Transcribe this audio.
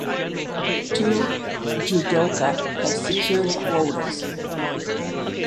Two judoka have secured quotas.